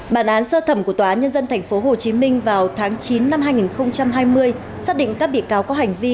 bản án sơ thẩm của tòa nhân dân tp hcm vào tháng chín năm hai nghìn hai mươi xác định các bị cáo có hành vi